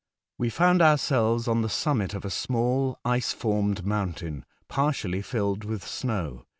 We found ourselves on tbe summit of a small ice formed mountain, partially filled witb snow.